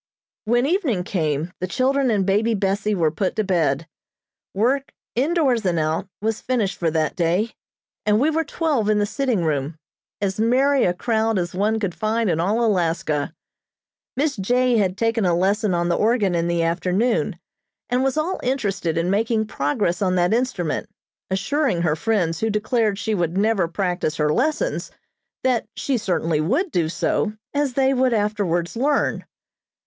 When evening came the children and Baby Bessie were put to bed; work, indoors and out, was finished for that day, and we were twelve in the sitting room, as merry a crowd as one could find in all Alaska. Miss J. had taken a lesson on the organ in the afternoon and was all interested in making progress on that instrument, assuring her friends who declared she would never practise her lessons, that she certainly would do so, as they would afterwards learn.